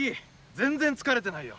全然疲れてないよ。